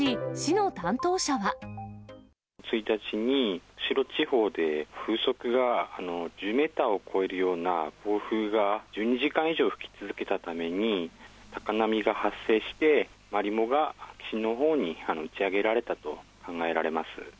１日に釧路地方で、風速が１０メーターを超えるような暴風が１２時間以上吹き続けたために、高波が発生して、マリモが岸のほうに打ち上げられたと考えられます。